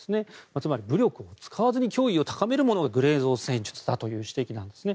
つまり武力を使わずに脅威を高めるものがグレーゾーン戦術だという指摘なんですね。